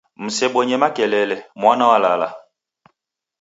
Msebonye makelele, mwana walala.